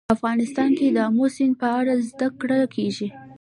افغانستان کې د آمو سیند په اړه زده کړه کېږي.